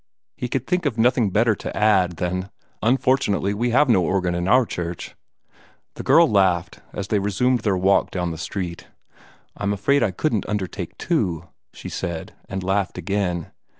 He could think of nothing better to add than, "Unfortunately, we have no organ in our church." The girl laughed, as they resumed their walk down the street. "I'm afraid I couldn't undertake two," she said, and laughed again.